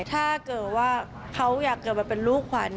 ถ้าเกิดว่าเขาอยากเกิดมาเป็นลูกขวัญ